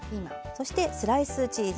そしてスライスチーズ。